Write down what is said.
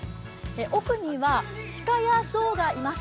奥には鹿や象がいます。